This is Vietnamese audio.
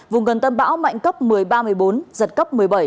vùng gần tâm bão mạnh cấp một mươi ba một mươi bốn giật cấp một mươi bảy